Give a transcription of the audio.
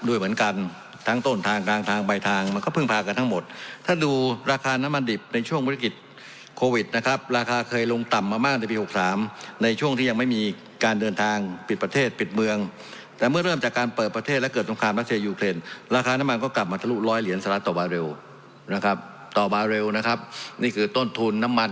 ด้วยเหมือนกันทั้งต้นทางกลางทางใบทางมันก็พึ่งพากันทั้งหมดถ้าดูราคาน้ำมันดิบในช่วงบริกฤติโควิดนะครับราคาเคยลงต่ำมามากในปี๖๓ในช่วงที่ยังไม่มีการเดินทางปิดประเทศปิดเมืองแต่เมื่อเริ่มจากการเปิดประเทศและเกิดตรงคามรัฐเชียยุเครนราคาน้ำมันก็กลับมาทะลุร้อยเหรียญสลัด